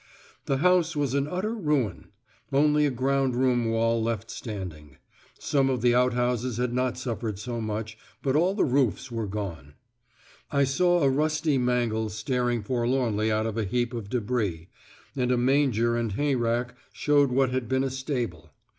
The house was an utter ruin, only a ground room wall left standing; some of the outhouses had not suffered so much, but all the roofs were gone. I saw a rusty mangle staring forlornly out of a heap of débris; and a manger and hayrack showed what had been a stable.